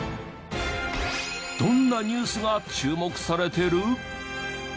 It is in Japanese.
どんなニュースが注目されてる？